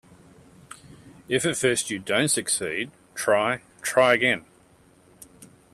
If at first you don't succeed, try, try again.